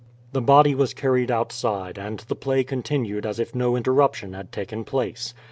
The body was carried outside, and the play continued as if no interruption had taken place.